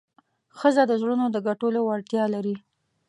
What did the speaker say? ښځه د زړونو د ګټلو وړتیا لري.